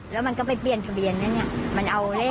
แล้วมันก็ไปเปลี่ยนสะเบียนนะเนี่ยมันเอาเนี่ย